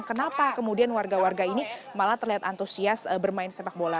kenapa kemudian warga warga ini malah terlihat antusias bermain sepak bola